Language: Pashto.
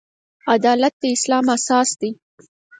عدالت د اسلام اساس دی.